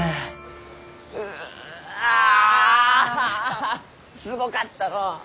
ハハッすごかったのう！